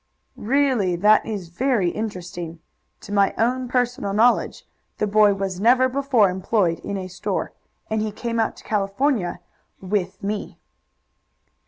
"Really, that is very interesting. To my own personal knowledge the boy was never before employed in a store, and he came out to California with me."